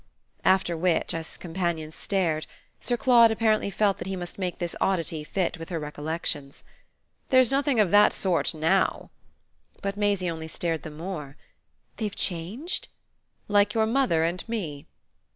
After which, as his companion stared, Sir Claude apparently felt that he must make this oddity fit with her recollections. "There's nothing of that sort NOW." But Maisie only stared the more. "They've changed?" "Like your mother and me."